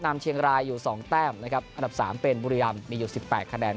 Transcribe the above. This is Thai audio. นำเชียงรายอยู่๒แต้มนะครับอันดับ๓เป็นบุรีรำมีอยู่๑๘คะแนน